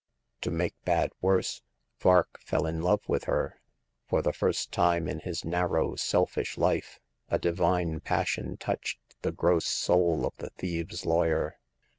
To make bad worse, Vark fell in love with her. For the first time in his narrow, selfish life, a di vine passion touched the gross soul of the thieves' lawyer.